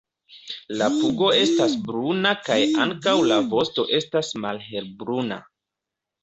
La pugo estas bruna kaj ankaŭ la vosto estas malhelbruna.